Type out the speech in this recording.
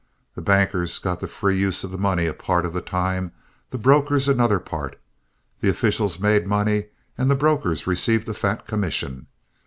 The bankers got the free use of the money a part of the time, the brokers another part: the officials made money, and the brokers received a fat commission.